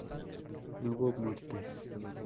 No hubo muertes.